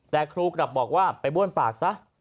แต่ครูกลับบอกว่าไปบ้วนปากซะ